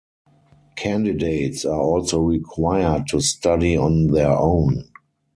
Candidates are also required to study on their own.